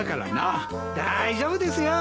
大丈夫ですよ。